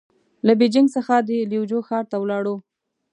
له بېجينګ څخه د ليوجو ښار ته ولاړو.